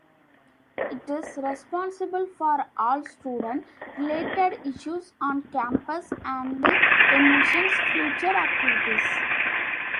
It is responsible for all student-related issues on campus and envisions future activities.